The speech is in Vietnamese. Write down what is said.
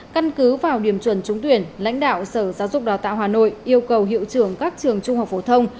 căn cứ vào điểm chuẩn trúng tuyển lãnh đạo sở giáo dục đào tạo hà nội yêu cầu hiệu trưởng các trường trung học phổ thông